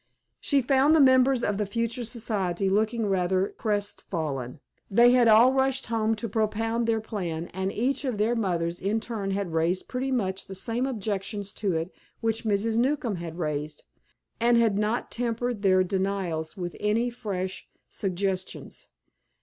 She found the members of the future society looking rather crestfallen. They had all rushed home to propound their plan, and each of their mothers in turn had raised pretty much the same objections to it which Mrs. Newcombe had raised, and had not tempered their denials with any fresh suggestions.